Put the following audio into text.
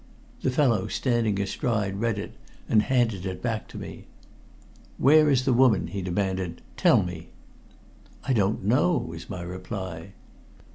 The fellow, standing astride, read it, and handed it back to me. "Where is the woman?" he demanded. "Tell me." "I don't know," was my reply.